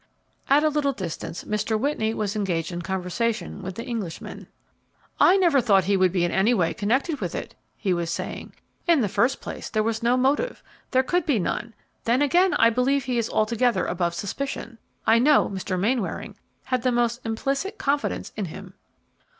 At a little distance, Mr. Whitney was engaged in conversation with the Englishmen. "I never thought he could be in any way connected with it," he was saying. "In the first place, there was no motive, there could be none; then, again, I believe he is altogether above suspicion. I know that Mr. Mainwaring had the most implicit confidence in him."